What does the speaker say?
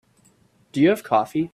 Do you have coffee?